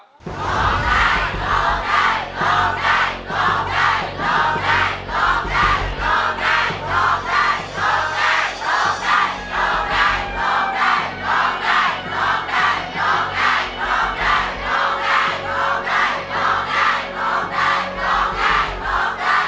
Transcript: ร้องได้ร้องได้ร้องได้ร้องได้